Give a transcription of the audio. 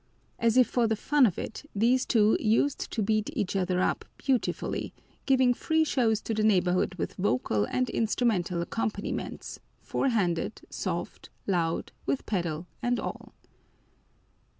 As if for the fun of it, these two used to beat each other up beautifully, giving free shows to the neighborhood with vocal and instrumental accompaniments, four handed, soft, loud, with pedal and all.